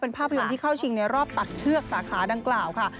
เป็นภาพยนตร์ที่เข้าชิงในรอบตัดเชือกสาขาดังกล่าวค่ะ